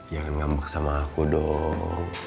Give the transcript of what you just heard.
jangan ngamuk sama aku dong